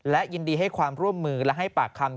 และยินดีให้ความร่วมมือและให้ปากคำ